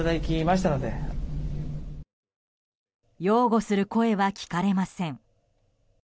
擁護する声は聞かれません。